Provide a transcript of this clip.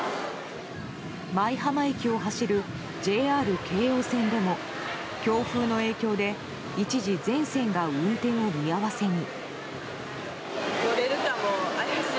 舞浜駅を走るＪＲ京葉線でも強風の影響で一時全線が運転を見合わせに。